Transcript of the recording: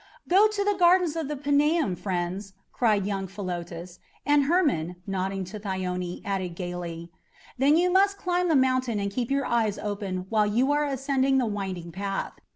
"Go to the gardens of the Paneum, friends!" cried young Philotas; and Hermon, nodding to Thyone, added gaily: "Then you must climb the mountain and keep your eyes open while you are ascending the winding path.